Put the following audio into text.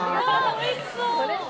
おいしそう。